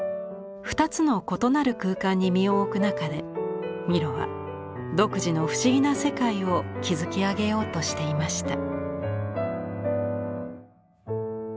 ２つの異なる空間に身を置く中でミロは独自の不思議な世界を築き上げようとしていました。